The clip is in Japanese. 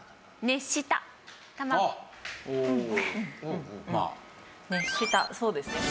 熱したそうですね。